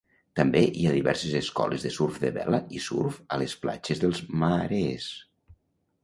També hi ha diverses escoles de surf de vela i surf a les platges dels Maharees.